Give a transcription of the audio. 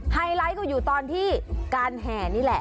ไฮไลท์ก็อยู่ตอนที่การแห